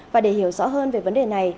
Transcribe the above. và để hiểu rõ hơn về vấn đề này